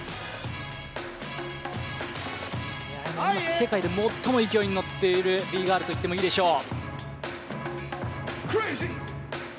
世界で最も勢いに乗っているＢ−ｇｉｒｌと言ってもいいでしょう。